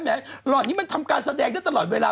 หล่อนนี้มันทำการแสดงได้ตลอดเวลา